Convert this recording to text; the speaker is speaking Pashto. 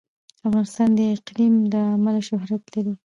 افغانستان د اقلیم له امله شهرت لري.